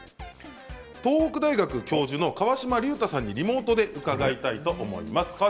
東北大学教授の川島隆太さんにリモートで伺います。